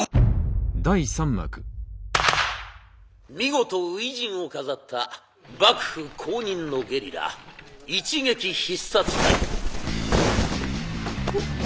見事初陣を飾った幕府公認のゲリラ一撃必殺隊。